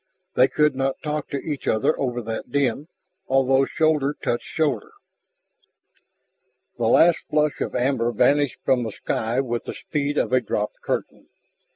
They could not talk to each other over that din, although shoulder touched shoulder. The last flush of amber vanished from the sky with the speed of a dropped curtain.